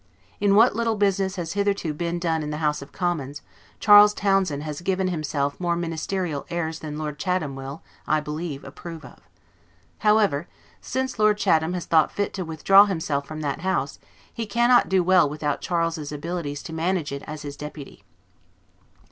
In what little business has hitherto been done in the House of Commons, Charles Townshend has given himself more ministerial airs than Lord Chatham will, I believe, approve of. However, since Lord Chatham has thought fit to withdraw himself from that House, he cannot well do without Charles' abilities to manage it as his deputy.